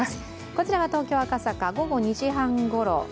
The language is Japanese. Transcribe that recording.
こちらは東京・赤坂午後２時半ごろ。